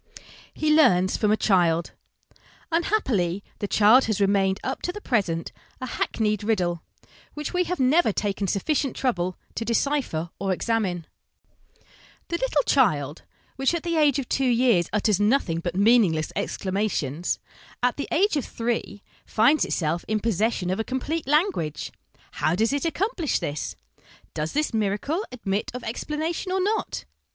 He learns from a child :" Unhappily the child has remained up to the present a hackneyed riddle, which we have never taken sufficient trouble to decipher or examine. ..." LESSONS AS INSTRUMENTS OF EDUCATION 305 "The little child, which at the age of two years utters nothing but meaningless exclamations, at the age of three finds itself in possession of a complete language. How does it accomplish this ? Does this miracle admit of explanation or not?